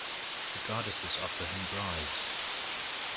The goddesses offer him bribes.